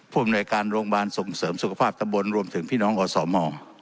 อำนวยการโรงพยาบาลส่งเสริมสุขภาพตะบนรวมถึงพี่น้องอสม